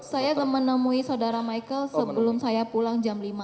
saya menemui saudara michael sebelum saya pulang jam lima